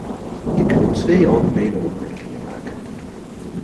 Ik wil twee algemene opmerkingen maken.